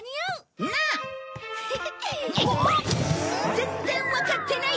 全然わかってない！